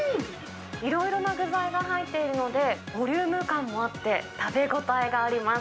いろいろな具材が入っているので、ボリューム感もあって食べ応えがあります。